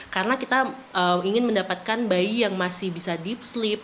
karena kita ingin mendapatkan bayi yang masih bisa deep sleep